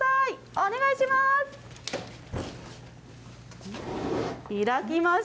お願いします。